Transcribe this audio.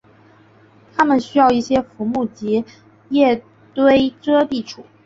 它们需要一些浮木及叶堆遮蔽处。